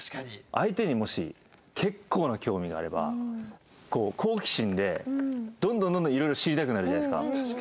相手にもし結構な興味があれば好奇心でどんどんどんどんいろいろ知りたくなるじゃないですか。